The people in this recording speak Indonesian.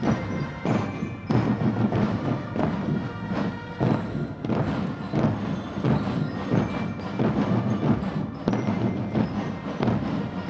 dan kemudian dengan penyelidikan tni dan pengundang tni